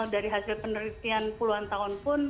dari hasil penelitian puluhan tahun pun